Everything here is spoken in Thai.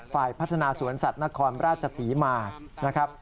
ฝ่ายพัฒนาสวนสัตว์นครราชศรีมานะครับ